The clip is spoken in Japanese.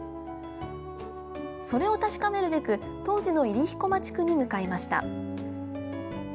それを確かめるべく当時の入飛駒地区に向かいました。